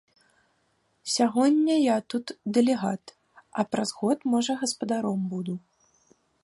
Сягоння я тут, дэлегат, а праз год можа гаспадаром буду.